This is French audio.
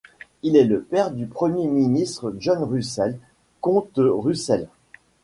Il est le père du Premier ministre John Russell, comte Russell.